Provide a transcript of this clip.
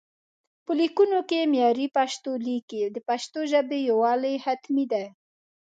په ليکونو کې معياري پښتو ليکئ، د پښتو ژبې يووالي حتمي دی